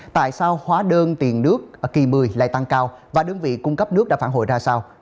tại sao hóa đơn tiền nước ở kỳ một mươi lại tăng cao và đơn vị cung cấp nước đã phản hồi ra sao